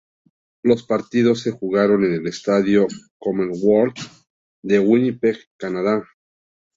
Los partidos se jugaron en el Estadio Commonwealth de Winnipeg, Canadá.